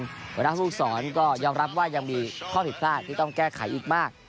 หัวหน้าภูมิสอนก็ยอมรับว่ายังมีข้อผิดพลาดที่ต้องแก้ไขอีกมาก